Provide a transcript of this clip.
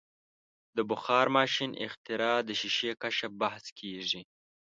د بخار ماشین اختراع د شیشې کشف بحث کیږي.